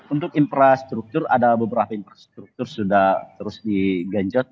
untuk infrastruktur ada beberapa infrastruktur sudah terus digenjot